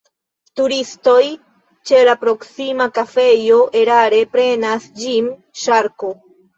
Turistoj ĉe la proksima kafejo erare prenas ĝin ŝarko.